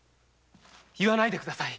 言わないで下さい。